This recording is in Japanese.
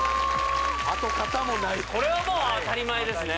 跡形もないこれはもう当たり前ですね